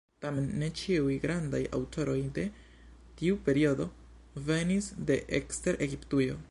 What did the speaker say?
Tamen ne ĉiuj grandaj aŭtoroj de tiu periodo venis de ekster Egiptujo.